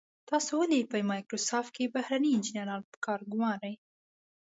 تاسو ولې په مایکروسافټ کې بهرني انجنیران په کار ګمارئ.